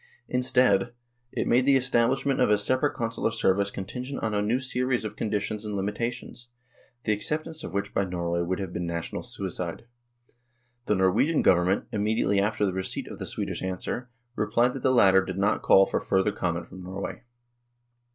Instead, it made the estab lishment of a separate Consular service contingent on a new series of conditions and limitations, the accept ance of which by Norway would have been national suicide. The Norwegian Government, immediately after the receipt of the Swedish answer, replied that the latter did not call for further comment from Norway.